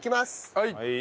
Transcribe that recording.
はい。